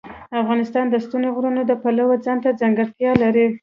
افغانستان د ستوني غرونه د پلوه ځانته ځانګړتیا لري.